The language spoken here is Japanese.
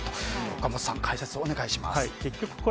岡本さん、解説をお願いします。